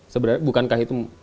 sebenarnya bukankah itu